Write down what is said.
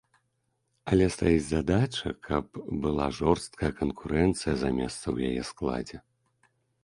Але стаіць задача, каб была жорсткая канкурэнцыя за месца ў яе складзе.